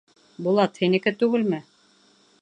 Булат, һинеке түгелме?